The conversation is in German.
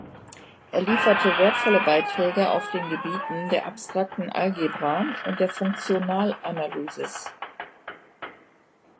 Er lieferte wertvolle Beiträge auf den Gebieten der abstrakten Algebra und der Funktionalanalysis.